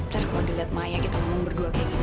ntar kalau dilihat maya kita ngomong berdua kayak gini